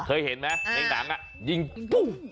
เคยเห็นไหมในอีกข้างยิงปุ่ม